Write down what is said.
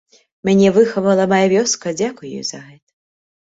Мяне выхавала мая вёска, дзякуй ёй за гэта.